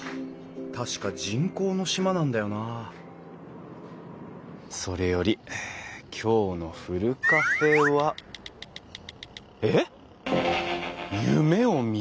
確か人工の島なんだよなそれより今日のふるカフェは。えっ！？